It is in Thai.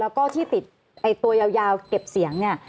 แล้วก็ที่ติดตัวยาวเก็บเสียงเนี่ย